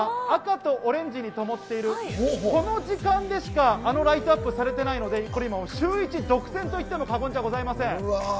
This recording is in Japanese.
赤とオレンジにともっている、この時間でしかあのライトアップされてないので、これ、今、シューイチ独占といっても過言ではございません。